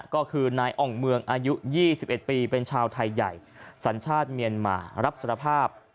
ก็คือนายอ่องเมืองอายุ๒๑ปีเป็นชาวไทยใหญ่สัญชาติเมียนมารับสารภาพ